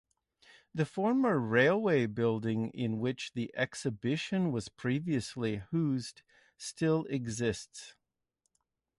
The former railway building in which the exhibition was previously housed still exists.